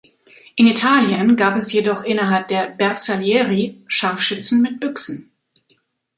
In Italien gab es jedoch innerhalb der "Bersaglieri" Scharfschützen mit Büchsen.